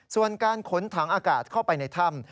ส่วนการขนถังอากาศเข้าไปในถ้ำ